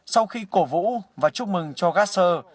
sau khi cổ vũ và chúc mừng cho gasser